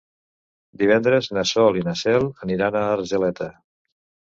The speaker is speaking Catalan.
Divendres na Sol i na Cel aniran a Argeleta.